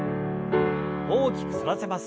大きく反らせます。